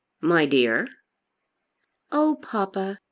"My dear." "Oh, papa!"